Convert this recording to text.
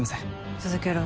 続けろ。